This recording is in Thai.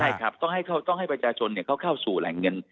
ใช่ครับต้องให้เขาต้องให้ประชาชนเนี่ยเข้าเข้าสู่แหล่งเงิน